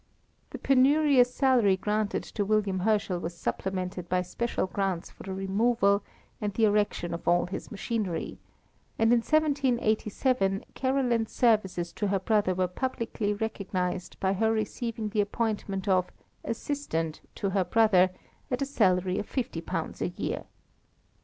The penurious salary granted to William Herschel was supplemented by special grants for the removal and the erection of all this machinery; and in 1787 Caroline's services to her brother were publicly recognised by her receiving the appointment of assistant to her brother at a salary of £50 a year.